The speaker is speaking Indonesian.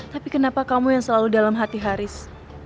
tapi kenapa kamu yang selalu dalam hati haris